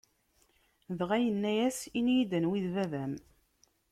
Dɣa yenna-yas: Ini-yi-d, anwa i d baba-m?